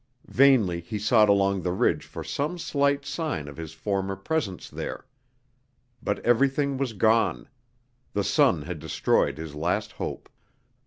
Vainly he sought along the ridge for some slight sign of his former presence there. But everything was gone. The sun had destroyed his last hope.